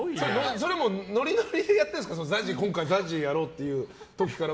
ノリノリでやってるんですかＺＡＺＹ今回やろうっていう時から？